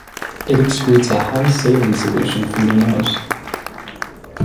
It excretes a high saline solution from their nose.